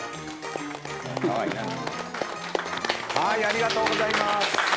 ありがとうございます。